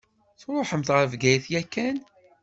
Tṛuḥemt ɣer Bgayet yakan?